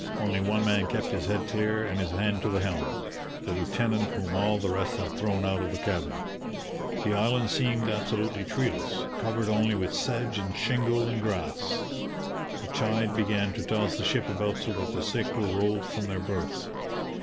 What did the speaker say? Only one man kept his head clear and his hand to the helm the lieutenant whom all the rest had thrown out of the cabin. The island seemed absolutely treeless, covered only with sedge and shingle and grass. The tide began to toss the ship about so that the sick were rolled from their berths.